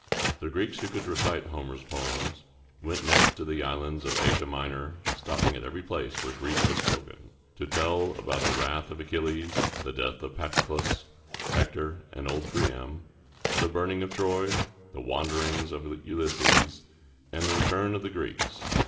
] The Greeks who could recite Homer's poems went next to the islands and Asia Minor, stopping at every place where Greek was spoken, to tell about the wrath of Achilles, the death of Patroclus, Hector, or old Priam, the burning of Troy, the wanderings of Ulysses, and the return of the Greeks.